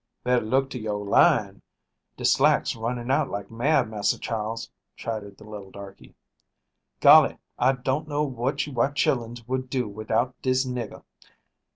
"Better look to youah line. De slack's running out like mad, Massa Charles," chided the little darkey. "Golly! I don't know what you white chillens would do widout dis nigger.